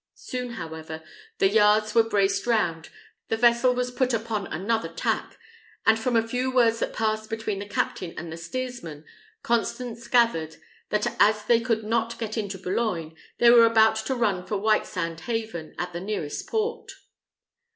Soon, however, the yards were braced round, the vessel was put upon another tack, and from a few words that passed between the captain and the steersman, Constance gathered, that as they could not get into Boulogne, they were about to run for Whitesand Haven as the nearest port.